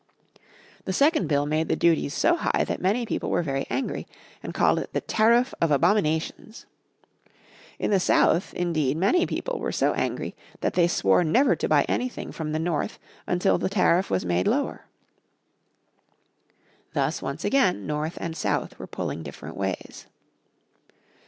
The second bill made the duties so high that many people were very angry and called it the "tariff of abominations." In the South, indeed many people were so angry that they swore never to buy anything from the North until the tariff was made lower. Thus once again North and South were pulling different ways.